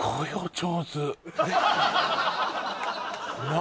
何？